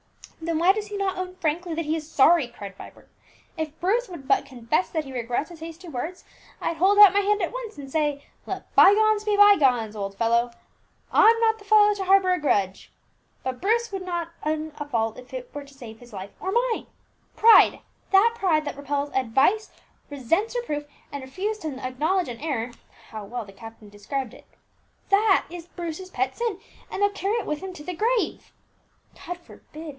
"Then why does he not own frankly that he is sorry?" cried Vibert. "If Bruce would but confess that he regrets his hasty words, I'd hold out my hand at once and say, 'Let by gones be by gones, old boy; I'm not the fellow to harbour a grudge.' But Bruce would not own a fault were it to save his life or mine. Pride that pride that repels advice, resents reproof, and refuses to acknowledge an error (how well the captain described it!) that is Bruce's pet sin, and he'll carry it with him to his grave." "God forbid!"